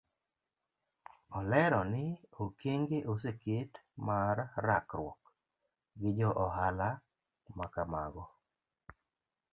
Olero ni okenge oseket mar rakruok gi jo ohala makamago.